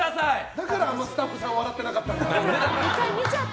だからスタッフさん笑ってなかったんだ。